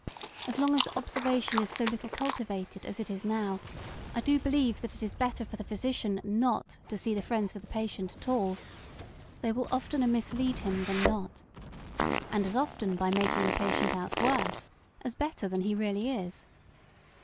As long as observation is so little cultivated as it is now, I do believe that it is better for the physician not to see the friends of the patient at all. They will oftener mislead him than not. And as often by making the patient out worse as better than he really is.